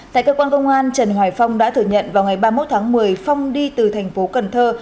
tại cơ quan công an trần hoài phong đã thừa nhận vào ngày ba mươi một tháng một mươi phong đi từ thành phố cần thơ